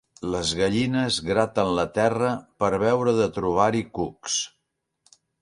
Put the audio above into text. Les gallines graten la terra per veure de trobar-hi cucs.